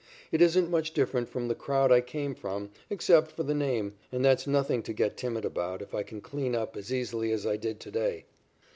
It isn't much different from the crowd I came from, except for the name, and that's nothing to get timid about if I can clean up as easily as I did to day.